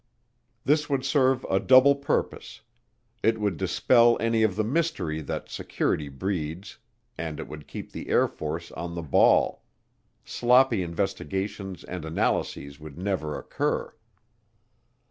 This would serve a double purpose; it would dispel any of the mystery that security breeds and it would keep the Air Force on the ball sloppy investigations and analyses would never occur.